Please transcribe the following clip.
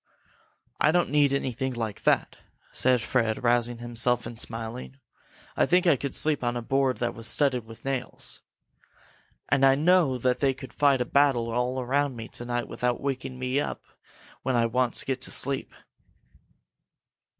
"I don't need anything like that," said Fred, rousing himself and smiling. "I think I could sleep on a board that was studded with nails! And I know that they could fight a battle all around me to night without waking me up when I once get to sleep."